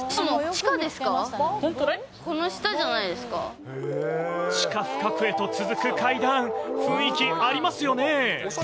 地下深くへと続く階段、雰囲気ありますよね。